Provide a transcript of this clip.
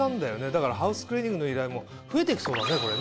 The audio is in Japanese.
だからハウスクリーニングの依頼も増えて来そうだね。